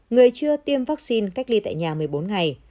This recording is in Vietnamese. người chưa tiêm vaccine cách ly tại nhà một mươi bốn ngày